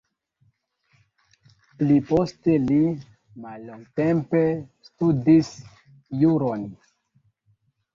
Pli poste li mallongtempe studis juron.